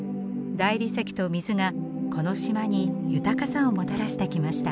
大理石と水がこの島に豊かさをもたらしてきました。